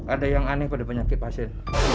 ada yang aneh pada penyakit pasien